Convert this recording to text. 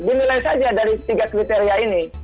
dinilai saja dari tiga kriteria ini